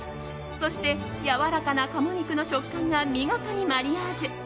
そして、やわらかな鴨肉の食感が見事にマリアージュ。